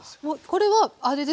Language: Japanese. これはあれですよね